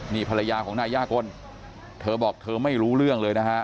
นี่ภรรยาของนายย่ากลเธอบอกเธอไม่รู้เรื่องเลยนะฮะ